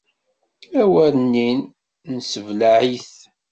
Awer inin: Nessebleɛ-it!